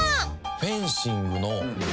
フェンシングの。え！